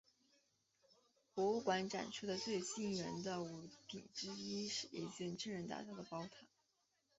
博物馆展出的最吸引人的物品之一是一件真人大小的宝塔。